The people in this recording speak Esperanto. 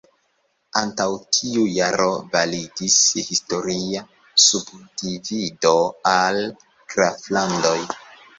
Antaŭ tiu jaro validis historia subdivido al "graflandoj".